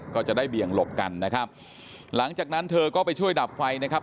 ก็จะได้เบี่ยงหลบกันนะครับหลังจากนั้นเธอก็ไปช่วยดับไฟนะครับ